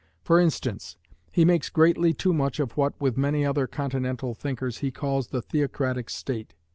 For instance, he makes greatly too much of what, with many other Continental thinkers, he calls the Theocratic state.